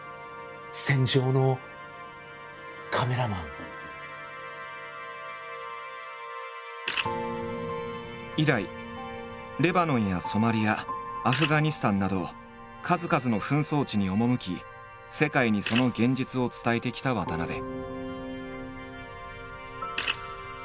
少しでも以来レバノンやソマリアアフガニスタンなど数々の紛争地に赴き世界にその現実を伝えてきた渡部。